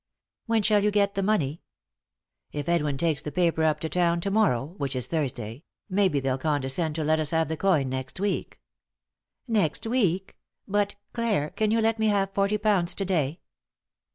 " When shall you get the money ?"" If Edwin takes the paper up to town to morrow, which is Thursday, maybe they'll condescend to let us have the coin next week." " Next week ? But — Clare, can you let me have forty pounds to day